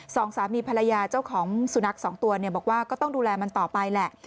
สองสามีภรรยาเจ้าของสุนัขสองตัวเนี่ยบอกว่าก็ต้องดูแลมันต่อไปแหละ